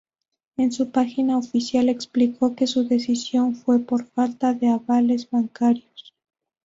En su página oficial explicó que su decisión fue por "falta de avales bancarios".